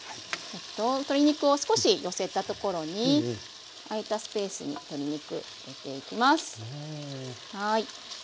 鶏肉を少し寄せたところに空いたスペースに入れていきます。